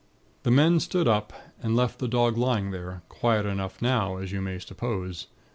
"The men stood up, and left the dog lying there, quiet enough now, as you may suppose.